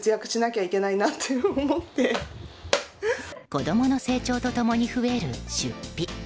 子供の成長と共に増える出費。